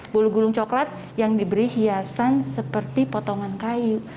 bulu gulung coklat yang diberi hiasan seperti potongan kayu